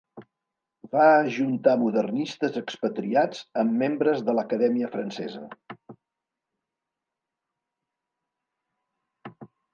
Va ajuntar modernistes expatriats amb membres de l'Acadèmia Francesa.